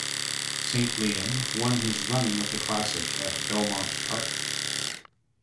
Saint Liam won his running of the Classic at Belmont Park.